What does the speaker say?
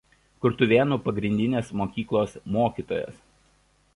Kurtuvėnų pagrindinės mokyklos mokytojas.